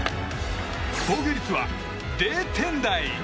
防御率は０点台。